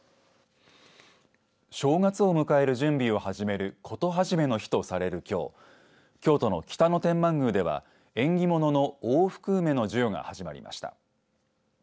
正月を迎える準備を始める事始めの日とされる、きょう京都の北野天満宮では縁起物の大福梅の授与が始まりました。